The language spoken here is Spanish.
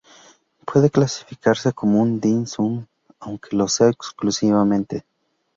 Puede clasificarse como un "dim sum", aunque no lo sea exclusivamente.